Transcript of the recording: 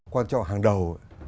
quan trọng hàng đầu